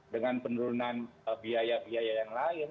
dengan penurunan biaya biaya yang lain